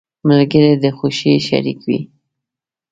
• ملګری د خوښۍ شریك وي.